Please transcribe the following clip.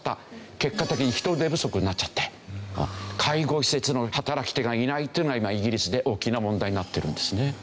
結果的に人手不足になっちゃって介護施設の働き手がいないというのが今イギリスで大きな問題になってるんですね。